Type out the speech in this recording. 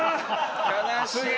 悲しい。